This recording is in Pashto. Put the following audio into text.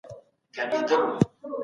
که شکر نه وای نو ژوند به ډېر تریخ وای.